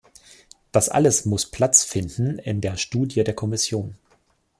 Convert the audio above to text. Das alles muss Platz finden in der Studie der Kommission!